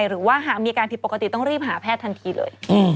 หรือว่าหากมีอาการผิดปกติต้องรีบหาแพทย์ทันทีเลย